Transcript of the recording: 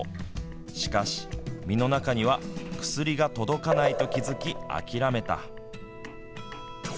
しかし、身の中には薬が届かないと気付き、諦めた。